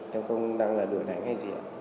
thế thôi ạ em không đang là đuổi đánh hay gì ạ